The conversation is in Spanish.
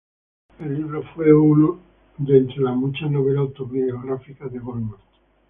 El libro fue uno de entre las muchas novelas autobiográficas de Goldman.